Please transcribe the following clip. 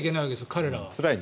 彼らは。